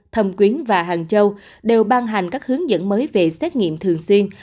thầm quyến và hàn châu đều ban hành các hướng dẫn mới về xét nghiệm thường xuyên